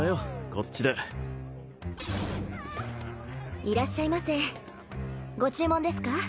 こっちでいらっしゃいませご注文ですか？